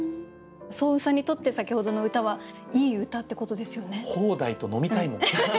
双雲さんにとって先ほどの歌はいい歌ってことですよね？